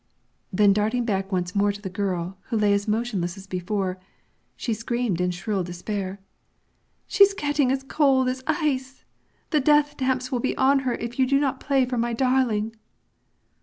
Then darting back once more to the girl, who lay as motionless as before, she screamed in shrill despair, "She's getting as cold as ice; the death damps will be on her if you will not play for my darling."